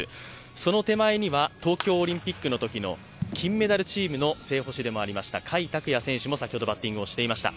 その手前には東京オリンピックのときの金メダルチームの正捕手でもありました甲斐拓也選手も先ほどバッティングをしていました。